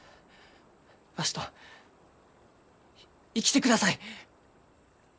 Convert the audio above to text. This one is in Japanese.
わしと生きてください！